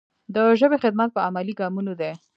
د ژبې خدمت په عملي ګامونو دی.